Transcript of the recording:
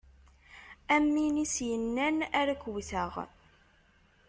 Am win i s-yennan ar k-wwteɣ.